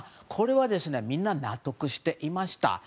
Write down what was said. これはみんな納得していました。